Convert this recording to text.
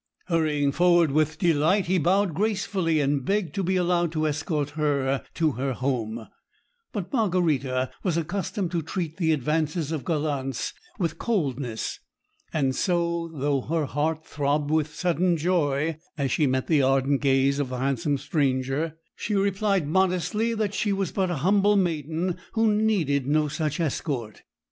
Hurrying forward with delight, he bowed gracefully, and begged to be allowed to escort her to her home; but Margarita was accustomed to treat the advances of gallants with coldness, and so, though her heart throbbed with sudden joy as she met the ardent gaze of the handsome stranger, she replied modestly that she was but a humble maiden who needed no such escort.